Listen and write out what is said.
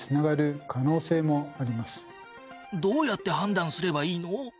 どうやって判断すればいいの？